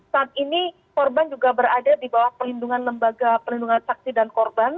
saat ini korban juga berada di bawah perlindungan lembaga perlindungan saksi dan korban